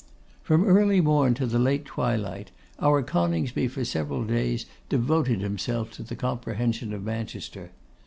From early morn to the late twilight, our Coningsby for several days devoted himself to the comprehension of Manchester.